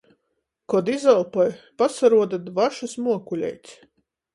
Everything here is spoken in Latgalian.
Kod izelpoj, pasaruoda dvašys muokuleits.